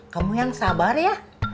kamu yang sabar ya